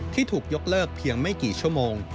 ที่ถูกยกเลิกเพียงไม่กี่ชั่วโมง